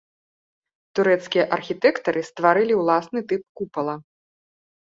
Турэцкія архітэктары стварылі ўласны тып купала.